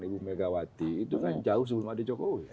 ibu megawati itu kan jauh sebelum ada jokowi